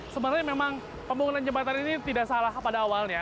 sebenarnya memang pembangunan jembatan ini tidak salah pada awalnya